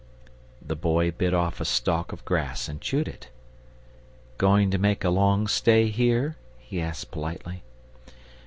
The Boy bit off a stalk of grass and chewed it. "Going to make a long stay here?" he asked, politely.